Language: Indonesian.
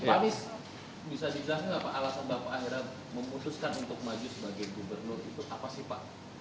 apa sih pak